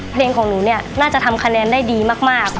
เพลงของหนูเนี่ยน่าจะทำคะแนนได้ดีมาก